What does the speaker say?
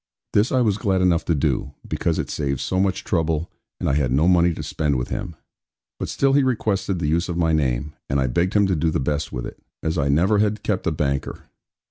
This I was glad enough to do; because it saved so much trouble, and I had no money to spend with him. But still he requested the use of my name; and I begged him to do the best with it, as I never had kept a banker.